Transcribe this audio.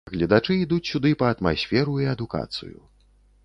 Гледачы ідуць сюды па атмасферу і адукацыю.